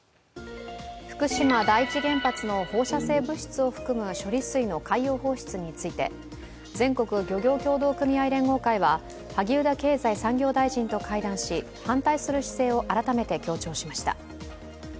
福島第一原発の放射性物質を含む処理水の海洋放出について、全国漁業協同組合連合会は、萩生田経済産業大臣と会談し、反対する姿勢を改めて強調しました。